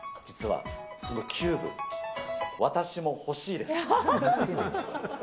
実は、そのキューブ、私も欲しいです。